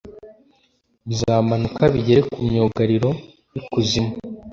bizamanuka bigere ku myugariro y’ikuzimu,